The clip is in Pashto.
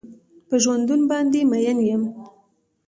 په ژوندون باندې مين يم.